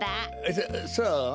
そそう？